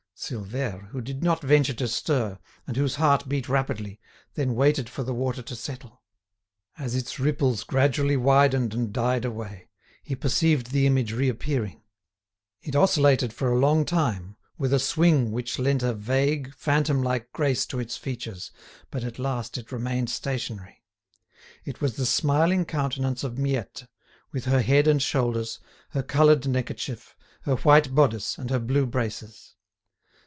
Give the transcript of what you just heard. Silvère, who did not venture to stir, and whose heart beat rapidly, then waited for the water to settle. As its ripples gradually widened and died away, he perceived the image reappearing. It oscillated for a long time, with a swing which lent a vague, phantom like grace to its features, but at last it remained stationary. It was the smiling countenance of Miette, with her head and shoulders, her coloured neckerchief, her white bodice, and her blue braces.